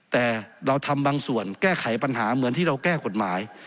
แต่เราทำบางส่วนแก้ไขปัญหาเหมือนที่เราแก้กฎหมาย